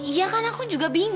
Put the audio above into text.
iya kan aku juga bingung